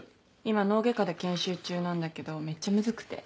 今脳外科で研修中なんだけどめっちゃムズくて。